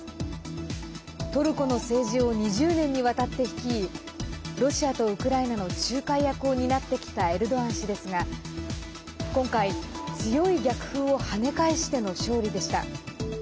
トルコの政治を２０年にわたって率いロシアとウクライナの仲介役を担ってきたエルドアン氏ですが今回、強い逆風を跳ね返しての勝利でした。